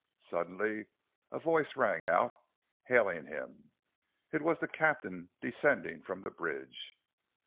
Suddenly a voice rang out, hailing him. It was the captain descending from the bridge.